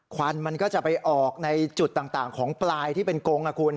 ควันมันก็จะไปออกในจุดต่างของปลายที่เป็นกงนะคุณ